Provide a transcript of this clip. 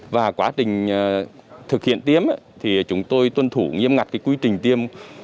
và quá trình thực hiện tiêm thì chúng tôi tuân thủ nghiêm ngặt quy trình tiêm